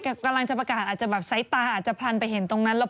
กำลังจะประกาศอาจจะแบบสายตาอาจจะพลันไปเห็นตรงนั้นแล้ว